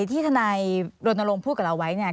ที่ธนัยโรนโลงพูดกับเราไว้เนี่ย